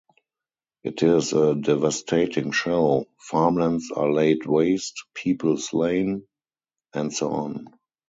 It is a devastating show: farmlands are laid waste, people slain, and so on.